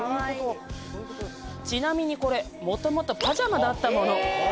ちなみにこれもともとパジャマだったもの！